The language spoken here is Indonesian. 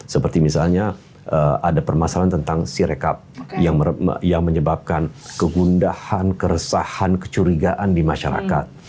seperti misalnya ada permasalahan tentang sirekap yang menyebabkan kegundahan keresahan kecurigaan di masyarakat